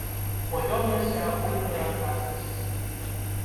Бо ён нясе агульную адказнасць.